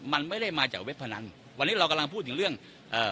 มันไม่ได้มาจากเว็บพนันวันนี้เรากำลังพูดถึงเรื่องเอ่อ